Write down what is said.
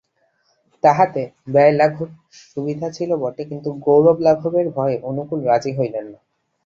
তাহাতে ব্যয়লাঘবের সুবিধা ছিল বটে, কিন্তু গৌরবলাঘবের ভয়ে অনুকূল রাজি হইলেন না।